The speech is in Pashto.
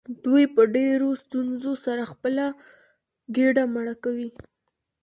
دوی په ډیرو ستونزو سره خپله ګیډه مړه کوي.